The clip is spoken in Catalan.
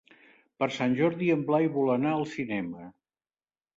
Per Sant Jordi en Blai vol anar al cinema.